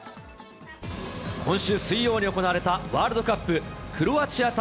今週水曜に行われたワールドカップクロアチア対